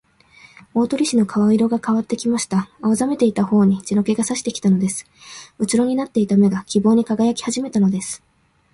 大鳥氏の顔色がかわってきました。青ざめていたほおに血の気がさしてきたのです。うつろになっていた目が、希望にかがやきはじめたのです。